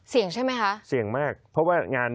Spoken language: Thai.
ใช่ไหมคะเสี่ยงมากเพราะว่างาน